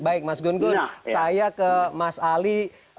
baik mas gun gun saya ke mas ali